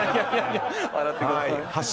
笑ってください。